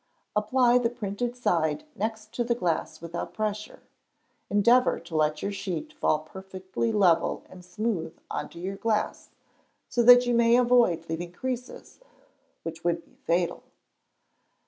Apply the printed side next to the glass without pressure; endeavour to let your sheet fall perfectly level and smooth on your glass, so that you may avoid leaving creases, which would be fatal.